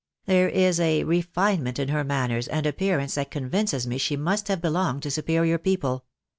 There is a refinement in her manners and appearance that convinces me she must have belonged to superior people.